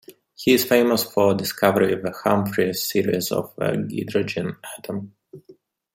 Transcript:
He is famous for discovering the Humphreys series of the hydrogen atom.